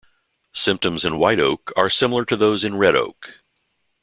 Symptoms in white oak are similar to those in red oak.